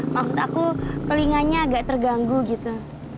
maksud aku telinganya agak terganggu gitu